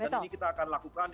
dan ini kita akan lakukan